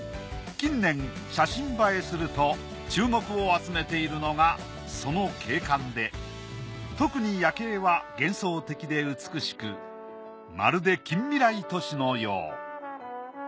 近年写真映えすると注目を集めているのがその景観で特に夜景は幻想的で美しくまるで近未来都市のよう。